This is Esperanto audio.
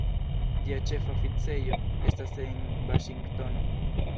Ĝia ĉefa oficejo estas en Vaŝingtono.